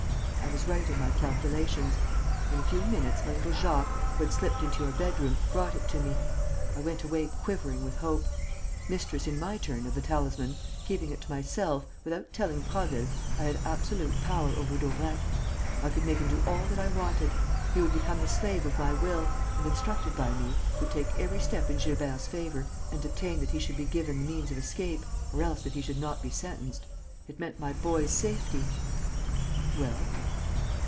I was right in my calculations. In a few minutes, my little Jacques, who had slipped into your bedroom, brought it to me. I went away quivering with hope. Mistress in my turn of the talisman, keeping it to myself, without telling Prasville, I had absolute power over Daubrecq. I could make him do all that I wanted; he would become the slave of my will and, instructed by me, would take every step in Gilbert's favour and obtain that he should be given the means of escape or else that he should not be sentenced. It meant my boy's safety." "Well?"